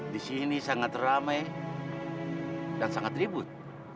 di sini sangat ramai dan sangat ribut